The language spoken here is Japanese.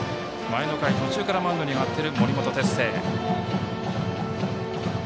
前の回途中からマウンドに上がる森本哲星。